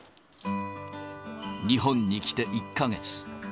日本に来て１か月。